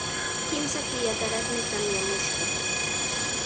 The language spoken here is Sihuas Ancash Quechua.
Kimsa killataraqmi tamyamushqa.